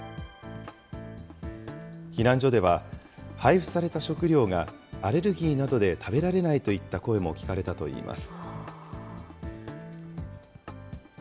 避難所では、配布された食料がアレルギーなどで食べられないといった声も聞かれたといいます。